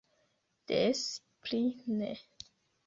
Des pli ne!